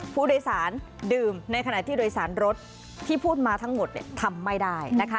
ผู้โดยสารดื่มในขณะที่โดยสารรถที่พูดมาทั้งหมดทำไม่ได้นะคะ